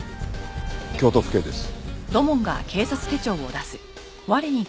京都府警です。